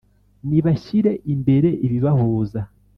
Nibashyire imbere ibibahuza